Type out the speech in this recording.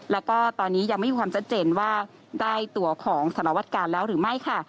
แล้วก็ตอนนี้ยังไม่มีความชัดเจนว่าได้ตัวของสารวัตกาลแล้วหรือไม่ค่ะ